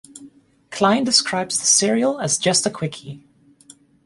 Cline describes this serial as just a quickie.